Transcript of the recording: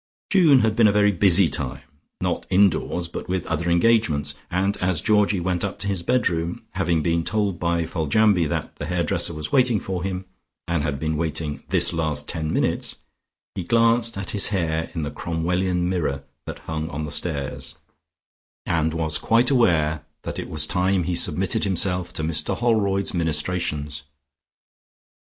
June had been a very busy time, not "indoors," but with other engagements, and as Georgie went up to his bedroom, having been told by Foljambe that the hair dresser was waiting for him, and had been waiting "this last ten minutes," he glanced at his hair in the Cromwellian mirror that hung on the stairs, and was quite aware that it was time he submitted himself to Mr Holroyd's ministrations.